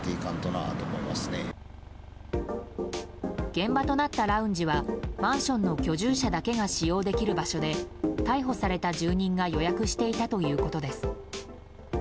現場となったラウンジはマンションの居住者だけが使用できる場所で逮捕された住人が予約していたということです。